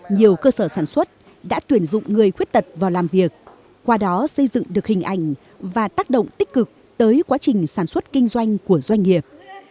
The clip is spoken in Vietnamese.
nhiều cơ sở sản xuất đã tuyển dụng người khuyết tật vào làm việc qua đó xây dựng được hình ảnh và tác động tích cực tới quá trình sản xuất kinh doanh của doanh nghiệp